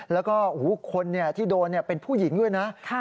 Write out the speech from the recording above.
แล้วก็คนที่โดนเป็นผู้หญิงด้วยนะ